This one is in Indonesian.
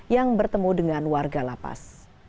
yang bertemu dengan warga lapas